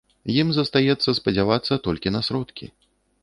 Ім застаецца спадзявацца толькі на сродкі.